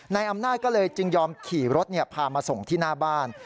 นายอำนาจก็เลยจึงยอมขี่รถพามาส่งที่หน้าบ้าน